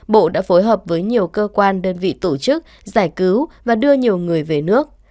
bộ đã phối hợp với nhiều cơ quan đơn vị tổ chức giải cứu và đưa nhiều người về nước